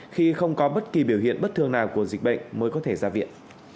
khi không có bất kỳ biểu hiện bất thường nào của dịch bệnh mới có thể ra viện